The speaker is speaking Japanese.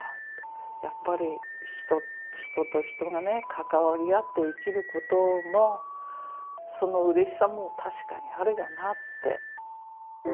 やっぱり人と人がね関わり合って生きることもそのうれしさも確かにあるよなって。